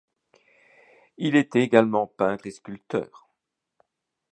Il était également peintre et sculpteur.